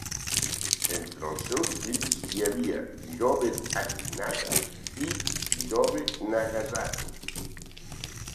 Entre els seus fills hi havia Irobe Akinaga i Irobe Nagazane.